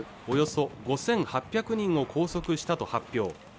およそ５８００人を拘束したと発表